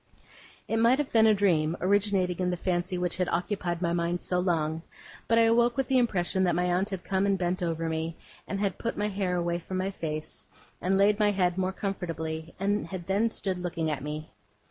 It might have been a dream, originating in the fancy which had occupied my mind so long, but I awoke with the impression that my aunt had come and bent over me, and had put my hair away from my face, and laid my head more comfortably, and had then stood looking at me.